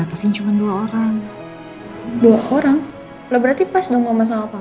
kangen banget sama kamu sa